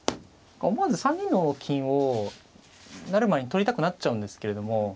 思わず３二の金を成る前に取りたくなっちゃうんですけど。